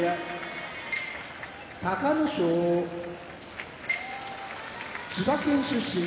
隆の勝千葉県出身